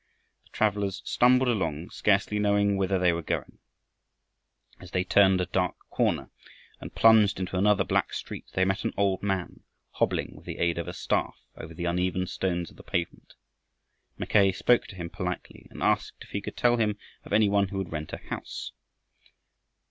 The travelers stumbled along, scarcely knowing whither they were going. As they turned a dark corner and plunged into another black street they met an old man hobbling with the aid of a staff over the uneven stones of the pavement. Mackay spoke to him politely and asked if he could tell him of any one who would rent a house.